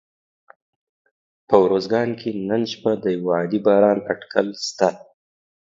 په اروزګان کي نن شپه د یوه عادي باران اټکل سته